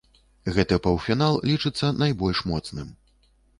Гэты паўфінал лічыцца найбольш моцным.